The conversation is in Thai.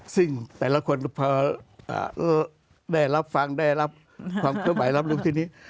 ซึ่งแต่ละคนได้รับฟังได้รับความเข้าใบรับรู้ที่นี้